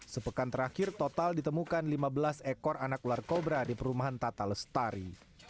sepekan terakhir total ditemukan lima belas ekor anak ular kobra di perumahan tata lestari